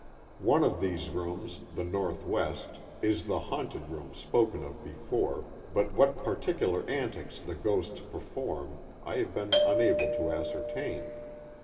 One of these rooms, the northwest, is the haunted room spoken of before, but what particular antics the ghosts perform I have been unable to ascertain.